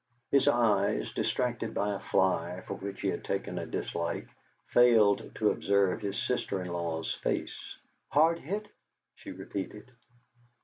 His eyes, distracted by a fly for which he had taken a dislike, failed to observe his sister in law's face. "Hard hit?" she repeated.